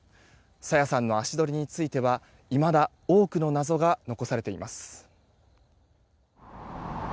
朝芽さんの足取りについてはいまだ多くの謎が残されています。